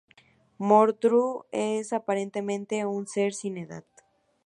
Mordru es aparentemente un ser sin edad.